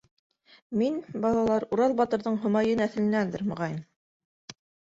- Мин, балалар, Урал батырҙың һомайы нәҫеленәндер, моғайын.